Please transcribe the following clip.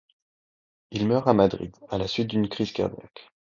Il meurt à Madrid à la suite d'une crise cardiaque.